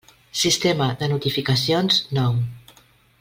Sistema de notificacions nou.